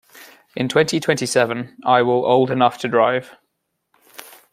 In twenty-twenty-seven I will old enough to drive.